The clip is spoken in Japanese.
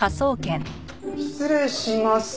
失礼します。